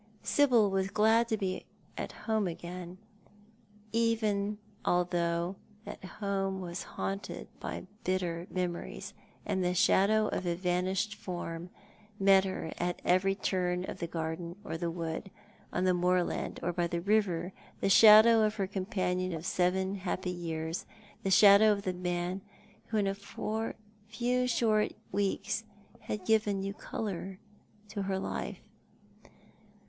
Sibyl was glad to be at home again, even although that home was haunted by bitter memories, and the shadow of a vanished form met her at every turn of the garden or the wood, on the moorland, or by the river ; the shadow of her companion of seven happy years — the shadow of the man who in a few short weeks had given a new colour to her life.